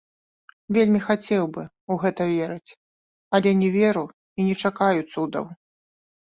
Вельмі хацеў бы ў гэта верыць, але не веру і не чакаю цудаў.